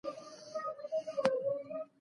د زمانې زلزلو او توپانونو په خاورو کې پټ کړ.